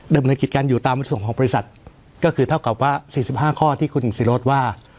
ดำเนินกิจการอยู่ตามวัตถุสมของบริษัทก็คือเท่ากับว่าสี่สิบห้าข้อที่คุณศิรษฐ์ว่า